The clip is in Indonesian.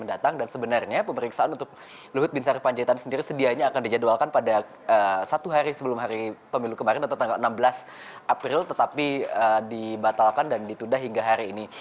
dan sebenarnya pemeriksaan untuk luhut bin sarpanjaitan sendiri sedianya akan dijadwalkan pada satu hari sebelum hari pemilu kemarin atau tanggal enam belas april tetapi dibatalkan dan ditudah hingga hari ini